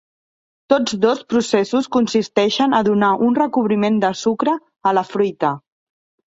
Tots dos processos consisteixen a donar un recobriment de sucre a la fruita.